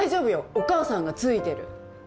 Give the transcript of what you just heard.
お母さんがついてる。